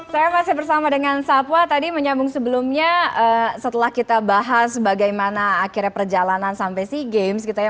saya masih bersama dengan satwa tadi menyambung sebelumnya setelah kita bahas bagaimana akhirnya perjalanan sampai sea games gitu ya